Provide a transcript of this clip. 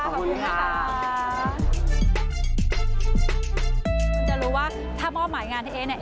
คนจะรู้ว่าถ้ามอบหมายงานที่เอ๊ะเนี่ย